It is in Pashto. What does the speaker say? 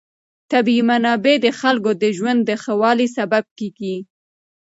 طبیعي منابع د خلکو د ژوند د ښه والي سبب کېږي.